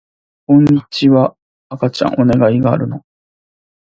こんにちは赤ちゃんお願いがあるの